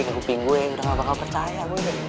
kegupin gue udah gak bakal percaya